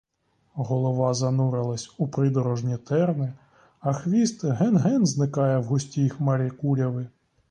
Голова занурилась у придорожні терни, а хвіст ген-ген зникає в густій хмарі куряви.